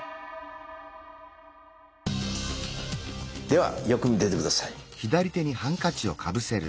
ではよく見ていて下さい。